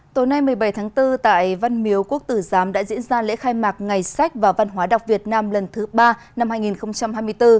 tối nay một mươi bảy tháng bốn tại văn miếu quốc tử giám đã diễn ra lễ khai mạc ngày sách và văn hóa đọc việt nam lần thứ ba năm hai nghìn hai mươi bốn